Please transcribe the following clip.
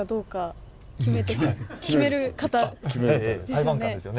裁判官ですよね。